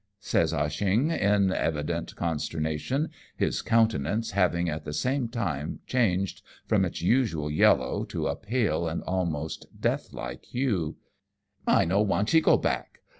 " says Ah Cheongj ia evident consternation, his countenance having at the same time changed from its usual yellow to a pale and almost deathlike hue ;" my no wantchee go back.